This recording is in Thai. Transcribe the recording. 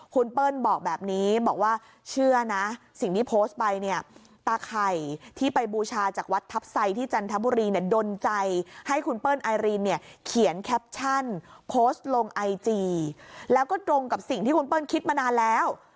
คุณเปิ้ลบอกแบบนี้บอกว่าเชื่อนะสิ่งที่โพสต์ไปเนี่ยตาไข่ที่ไปบูชาจากวัดทัพไซที่จันทบุรีเนี่ยดนใจให้คุณเปิ้ลไอรินเนี่ยเขียนแคปชั่นโพสต์ลงไอจีแล้วก็ตรงกับสิ่งที่คุณเปิ้ลคิดมานานแล้ว